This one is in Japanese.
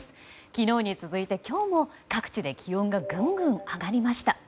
昨日に続いて今日も各地で気温がぐんぐん上がりました。